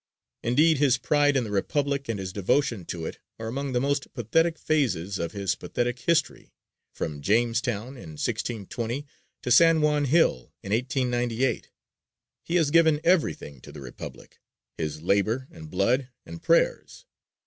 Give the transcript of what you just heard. Indeed, his pride in the Republic and his devotion to it are among the most pathetic phases of his pathetic history, from Jamestown, in 1620, to San Juan Hill, in 1898. He has given everything to the Republic, his labor and blood and prayers.